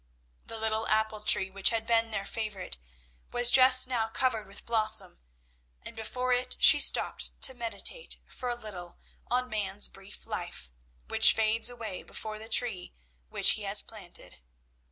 The little apple tree which had been their favourite, was just now covered with blossom, and before it she stopped to meditate for a little on man's brief life, which fades away before the tree which he has planted.